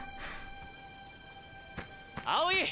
青井！